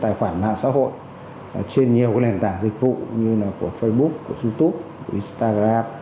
mạng mạng xã hội trên nhiều cái nền tảng dịch vụ như là của facebook của youtube của instagram